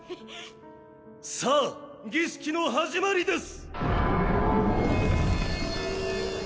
さぁ儀式の始まりです！